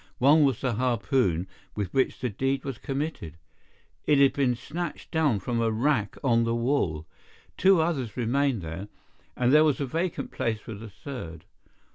One was the harpoon with which the deed was committed. It had been snatched down from a rack on the wall. Two others remained there, and there was a vacant place for the third.